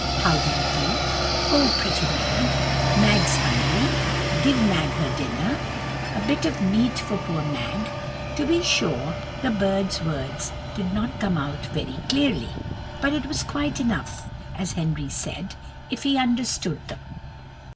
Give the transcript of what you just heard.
"How do you do?" "Oh, pretty Mag!" "Mag's a hungry." "Give Mag her dinner." "A bit of meat for poor Mag." To be sure the bird's words did not come out very clearly. But it was quite enough, as Henry said, if he understood them.